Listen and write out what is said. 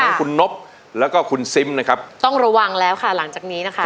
ทั้งคุณนบแล้วก็คุณซิมนะครับต้องระวังแล้วค่ะหลังจากนี้นะคะ